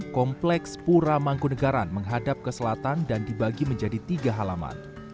kompleks pura mangkunagaran menghadap ke selatan dan dibagi menjadi tiga halaman